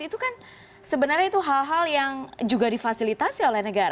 itu kan sebenarnya itu hal hal yang juga difasilitasi oleh negara